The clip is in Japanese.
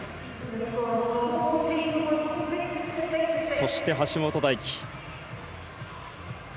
そして、橋本大輝。